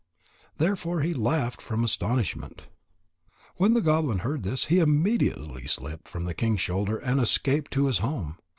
Therefore he laughed from astonishment." When the goblin heard this, he immediately slipped from the king's shoulder and escaped to his home.